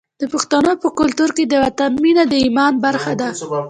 د پښتنو په کلتور کې د وطن مینه د ایمان برخه ده.